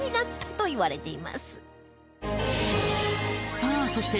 さあそして